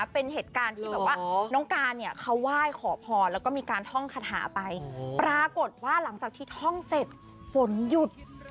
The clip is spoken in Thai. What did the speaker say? เป็นเหตุการณ์ที่แบบว่าน้องการเนี่ยเขาไหว้ขอพรแล้วก็มีการท่องคาถาไปปรากฏว่าหลังจากที่ท่องเสร็จฝนหยุด